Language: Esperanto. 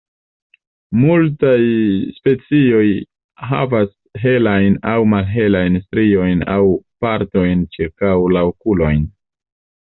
Multaj specioj havas helajn aŭ malhelajn striojn aŭ partojn ĉirkaŭ la okulojn.